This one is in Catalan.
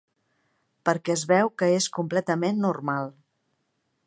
Perquè es veu que és completament normal.